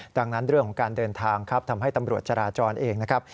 ดังนั้นเรื่องของการเดินทางครับทำให้ตำรวจจราจรเองนะครับ